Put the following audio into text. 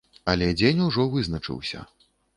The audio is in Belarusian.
Але дзень ужо вызначыўся.